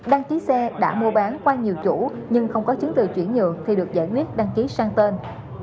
đăng ký xe đã mua bán qua nhiều chủ nhưng không có chứng từ chuyển nhượng thì được giải quyết đăng ký sang tên